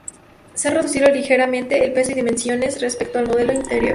Se ha reducido ligeramente el peso y dimensiones respeto al modelo anterior.